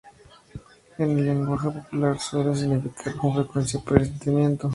En el lenguaje popular suele significar con frecuencia "presentimiento".